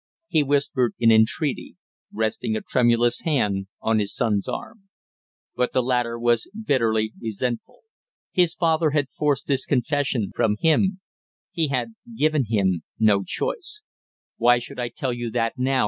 he whispered in entreaty, resting a tremulous hand on his son's arm. But the latter was bitterly resentful. His father had forced this confession, from him, he had given him no choice! "Why should I tell you that now?"